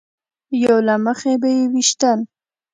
یو له مخې به یې ویشتل.